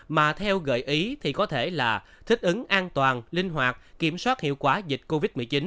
mà theo gợi ý thì có thể là thích ứng an toàn linh hoạt kiểm soát hiệu quả dịch covid một mươi chín